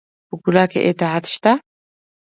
په ګناه کې اطاعت شته؟